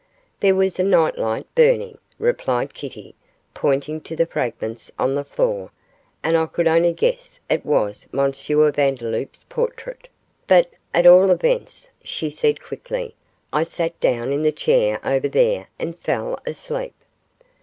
'There was a night light burning,' replied Kitty, pointing to the fragments on the floor; 'and I could only guess it was M. Vandeloup's portrait; but at all events,' she said, quickly, 'I sat down in the chair over there and fell asleep.